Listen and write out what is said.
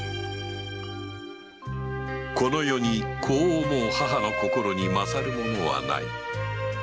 この世に子を思う母の心に勝るものはない